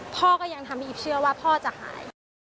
พ่อก็ยังทำให้อีฟเชื่อว่าพ่อจะหาย